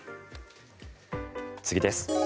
次です。